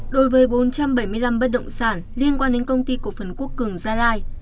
đối với bốn trăm bảy mươi năm bất động sản liên quan đến công ty cổ phần quốc cường gia lai